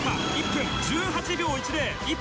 １分１８秒１０。